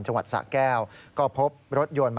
จังหวัดสะแก้วก็พบรถยนต์มา